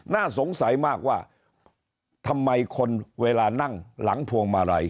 น่าสงสัยมากว่าทำไมคนเวลานั่งหลังพวงมาลัย